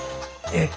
えっ！？